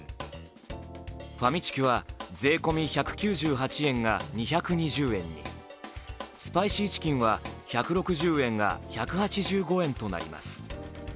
ファミチキは税込み１９８円が２２０円に、スパイシーチキンは１６０円が１８５円となります。